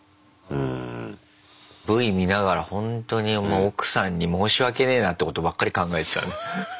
Ｖ見ながらほんとに奥さんに申し訳ねえなってことばっかり考えてたね。